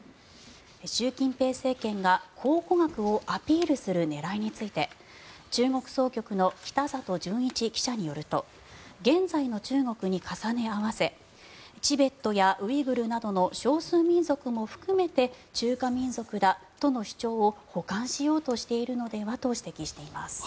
習近平政権が考古学をアピールする狙いについて中国総局の北里純一記者によると現在の中国に重ね合わせチベットやウイグルなどの少数民族も含めて中華民族だとの主張を補完しようとしているのではと指摘しています。